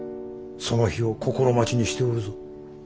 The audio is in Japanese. その日を心待ちにしておるぞ。